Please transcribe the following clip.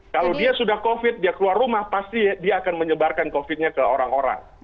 kalau dia sudah covid dia keluar rumah pasti dia akan menyebarkan covid nya ke orang orang